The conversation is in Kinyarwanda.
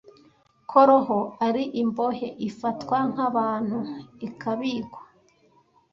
Ko roho ari imbohe, ifatwa nkabantu, ikabikwa